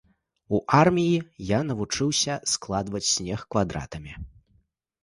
У арміі я навучыўся складваць снег квадратамі.